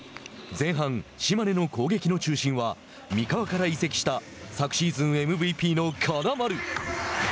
前半、島根の攻撃の中心は三河から移籍した昨シーズンＭＶＰの金丸。